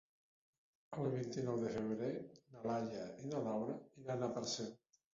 El vint-i-nou de febrer na Laia i na Laura iran a Parcent.